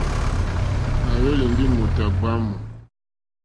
Nà hwélì ndí mòtà ɡbwǎmù.